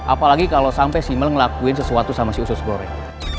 apalagi kalo sampe si mel ngelakuin sesuatu sama si usus goreng